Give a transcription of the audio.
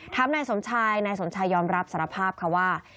นายสมชายนายสมชายยอมรับสารภาพค่ะว่า